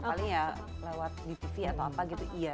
paling ya lewat di tv atau apa gitu iya